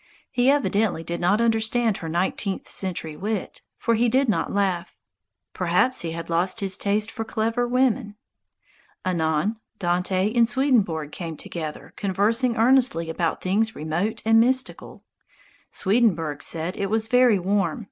He evidently did not understand her nineteenth century wit; for he did not laugh. Perhaps he had lost his taste for clever women. Anon Dante and Swedenborg came together conversing earnestly about things remote and mystical. Swedenborg said it was very warm.